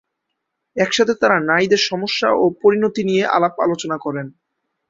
একসাথে তারা নারীদের সমস্যা ও পরিণতি নিয়ে আলাপ আলোচনা করেন।